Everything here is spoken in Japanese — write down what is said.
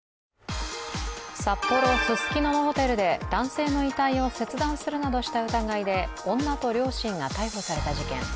札幌・ススキノのホテルで男性の遺体を切断するなどした疑いで女と両親が逮捕された事件。